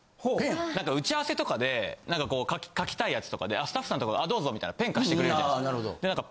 打ち合わせとかで書きたいやつとかでスタッフさんとかがどうぞみたいなペン貸してくれるじゃないですか。